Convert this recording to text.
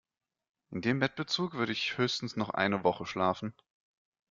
In dem Bettbezug würde ich höchstens noch eine Woche schlafen.